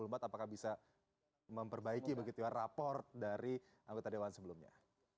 mas dua ribu dua puluh empat apakah bisa memperbaiki begitu ya rapor dari anggota dewan sebelumnya